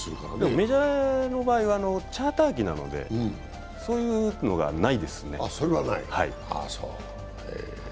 メジャーの場合はチャーター機なのでそういうのはないですね。